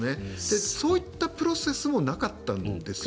そういったプロセスもなかったんですよね？